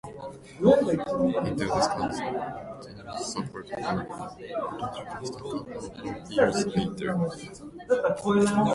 Intel discontinued support for Intercast a couple of years later.